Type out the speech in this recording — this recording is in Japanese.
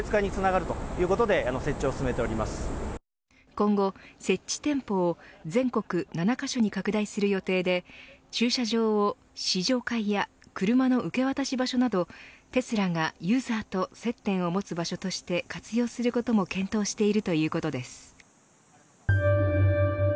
今後、設置店舗を全国７カ所に拡大する予定で駐車場を試乗会や車の受け渡し場所などテスラがユーザーと接点を持つ場所として活用することも検討しているということです。